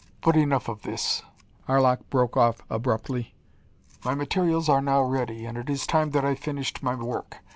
"But enough of this!" Arlok broke off abruptly. "My materials are now ready, and it is time that I finished my work.